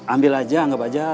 ambil aja anggap aja